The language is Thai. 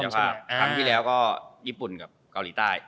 ครั้งที่แล้วก็ญี่ปุ่นกับเกาหลีใต้